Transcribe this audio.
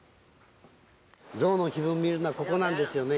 ゾウの機嫌見るのは、ここなんですよね。